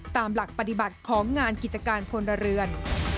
ตามหลักปฏิบัติของงานกิจการพลเรือน